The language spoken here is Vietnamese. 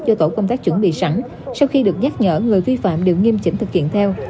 cho tổ công tác chuẩn bị sẵn sau khi được nhắc nhở người vi phạm đều nghiêm chỉnh thực hiện theo